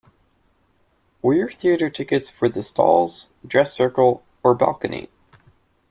Were your theatre tickets for the stalls, dress circle or balcony?